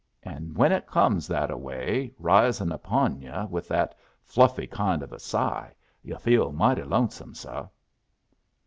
And when it comes that a way risin' upon yu' with that fluffy kind of a sigh, yu' feel mighty lonesome, seh.